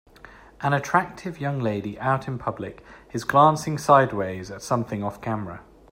An attractive young lady out in public is glancing sideways at something offcamera.